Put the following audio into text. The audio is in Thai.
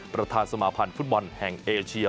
ประธานสมาพันธ์ฟุตบอลแห่งเอเชีย